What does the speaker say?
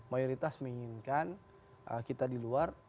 mayoritas menginginkan kita di luar